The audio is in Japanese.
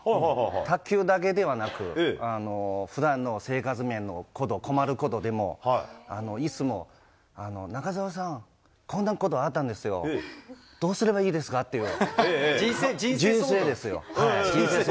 卓球だけではなく、ふだんの生活面のこと、困ることでも、いつも中澤さん、こんなことあったんですよ、どうすればいいですかっていう、そうなんですか。